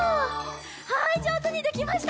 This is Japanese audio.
はいじょうずにできました。